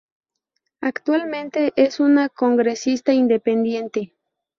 Actualmente es una congresista independiente.